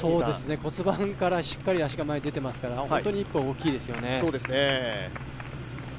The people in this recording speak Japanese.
骨盤からしっかり足が前に出ていますから、本当に一歩は大きいですよね。